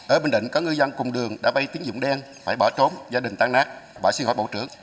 ở bình định có ngư dân cùng đường đã bay tiếng dụng đen phải bỏ trốn gia đình tan nát bỏ xin hỏi bộ trưởng